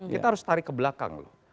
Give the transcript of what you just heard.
kita harus tarik ke belakang loh